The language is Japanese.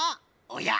おや？